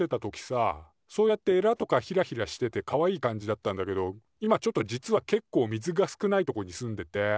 そうやってエラとかヒラヒラしててかわいい感じだったんだけど今ちょっと実はけっこう水が少ないとこに住んでて。